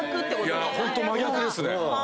ホント真逆ですね。